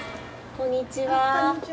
こんにちは。